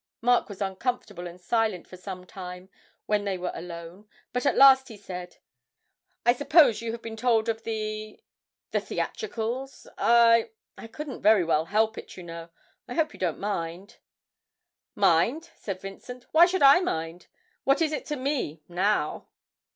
Mark was uncomfortable and silent for some time when they were alone, but at last he said: 'I suppose you have been told of the the theatricals? I I couldn't very well help it, you know. I hope you don't mind?' 'Mind!' said Vincent. 'Why should I mind? What is it to me now?